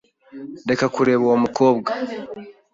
Reka kureba uwo mukobwa.